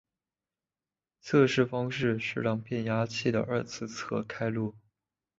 测试方式是让变压器的二次侧开路。